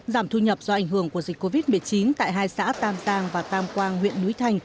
giảm thu nhập do ảnh hưởng của dịch covid một mươi chín tại hai xã tam giang và tam quang huyện núi thành